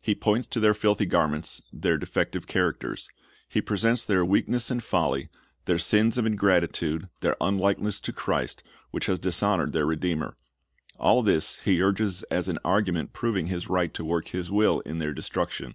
He points to their filthy garments, their defective characters. He presents their weakness and folly, their sins of ingrati tude, their unlikeness to Christ, which has dishonored their Redeemer. All this he urges as an argument proving his right to work his will in their destruction.